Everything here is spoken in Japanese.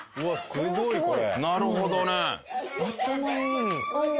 すごいこれ。